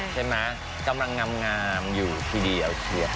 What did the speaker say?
ใช่มั้ยกำลังงามอยู่ที่ดีเอาเชีย